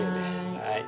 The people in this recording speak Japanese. はい。